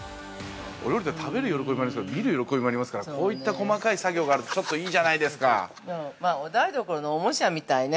◆お料理って食べる喜びもありますけど見る喜びもありますからこういった細かい作業があるとちょっといいじゃないですか。